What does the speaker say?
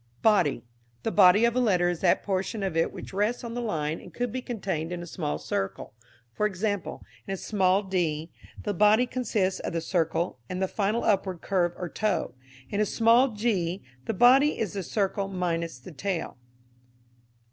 Body. The body of a letter is that portion of it which rests on the line and could be contained in a small circle. For example, in a small d the body consists of the circle and the final upward curve or toe. In a small g the body is the circle minus the tail.